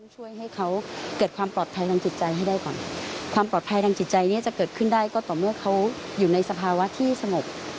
ช่วยให้เขาเกิดความปลอดภัยทางจิตใจให้ได้ก่อนความปลอดภัยทางจิตใจเนี่ยจะเกิดขึ้นได้ก็ต่อเมื่อเขาอยู่ในสภาวะที่สงบ